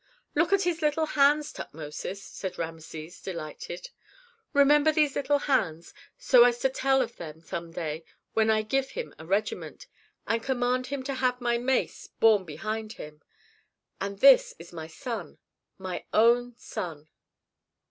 "Look at his little hands, Tutmosis," said Rameses, delighted. "Remember these little hands, so as to tell of them some day when I give him a regiment, and command him to have my mace borne behind him. And this is my son, my own son."